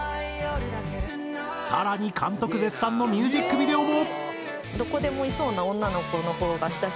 更に監督絶賛のミュージックビデオも！